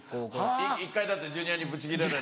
１回だってジュニアにブチギレられた。